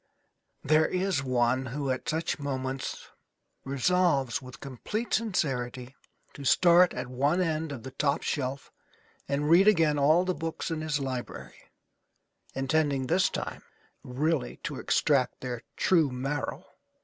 There is one who at such moments resolves, with complete sincerity, to start at one end of the top shelf and read again all the books in his library, intending this time really to extract their true marrow.